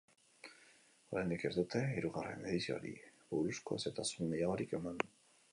Oraindik ez dute hirugarren edizioari buruzko xehetasun gehiagorik eman.